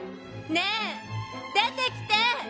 ねえ出てきて！